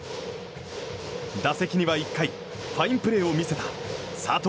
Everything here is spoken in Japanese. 打席には、１回ファインプレーを見せた佐藤